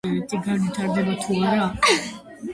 განსაკუთრებით საგრძნობია არისტოტელეს გავლენა.